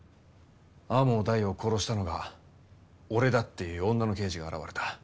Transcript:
天羽大を殺したのが俺だって言う女の刑事が現れた。